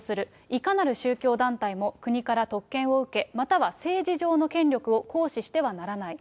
いかなる宗教団体も国から特権を受け、または政治上の権力を行使してはならない。